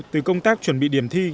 từ công tác chuẩn bị điểm thi